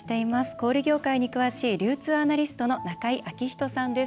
小売業界に詳しい流通アナリストの中井彰人さんです。